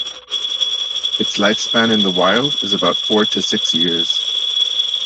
Its lifespan in the wild is about four to six years.